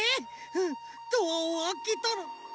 うんドアをあけたの。